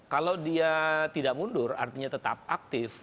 kalau dia tidak mundur artinya tetap aktif